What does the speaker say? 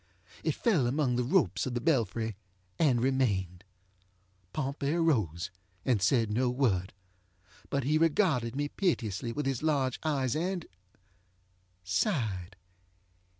It fell among the ropes of the belfry and remained. Pompey arose, and said no word. But he regarded me piteously with his large eyes andŌĆösighed.